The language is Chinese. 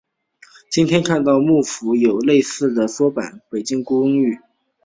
今天看到的木府有些类似微缩版的北京故宫。